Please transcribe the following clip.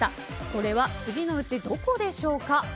それは次のうちどこでしょうか。